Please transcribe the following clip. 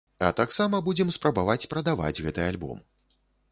А таксама будзем спрабаваць прадаваць гэты альбом.